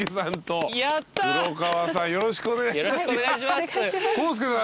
よろしくお願いします。